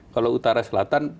kalau utara selatan